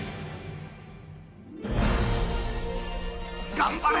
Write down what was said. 頑張れ！